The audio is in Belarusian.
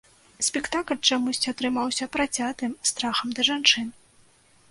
Спектакль чамусьці атрымаўся працятым страхам да жанчын.